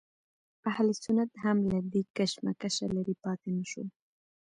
اهل سنت هم له دې کشمکشه لرې پاتې نه شول.